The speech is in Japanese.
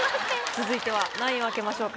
続いては何位を開けましょうか？